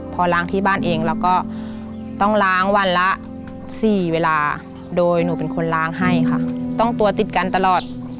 พอล้างที่บ้านเองเราก็